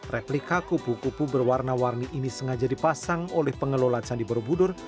replika kupu kupu berwarna warni ini sengaja dipasang oleh pengelola candi borobudur